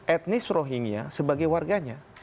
etnis rohingya sebagai warganya